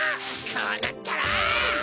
こうなったら！